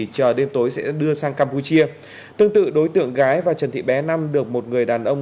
chờ đêm tối sẽ đưa sang campuchia tương tự đối tượng gái và trần thị bé năm được một người đàn ông